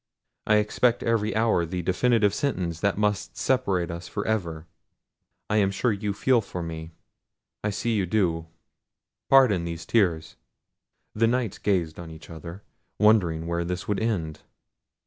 I expect every hour the definitive sentence that must separate us for ever—I am sure you feel for me—I see you do—pardon these tears!" The Knights gazed on each other, wondering where this would end.